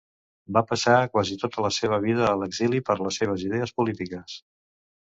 Va passar quasi tota la seva vida a l'exili per les seves idees polítiques.